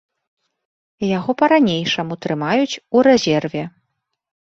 Яго па-ранейшаму трымаюць у рэзерве.